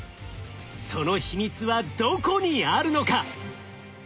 その秘密はどこにあるのか？